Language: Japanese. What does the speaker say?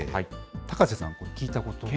高瀬さん、聞いたことは？